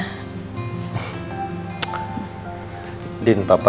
gak ada apa apa